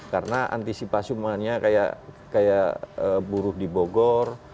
karena antisipasi umumnya kayak buru di bogor